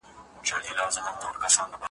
قیام